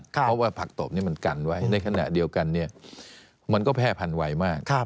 เพราะว่าผักตบนี้มันกันไว้ในขณะเดียวกันมันก็แพร่พันไวมาก